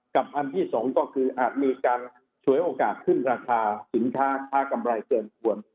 อันที่สองก็คืออาจมีการฉวยโอกาสขึ้นราคาสินค้าค้ากำไรเกินควร